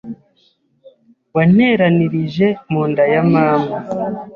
wanteranirije mu nda ya mama,